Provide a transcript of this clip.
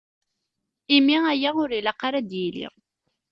Imi aya ur ilaq ara ad d-yili.